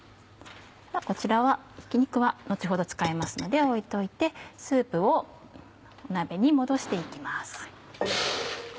こちらはひき肉は後ほど使いますので置いておいてスープを鍋に戻して行きます。